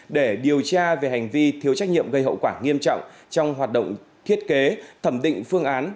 để điều tra về hành vi thiếu trách nhiệm gây hậu quả nghiêm trọng trong hoạt động thiết kế thẩm định phương án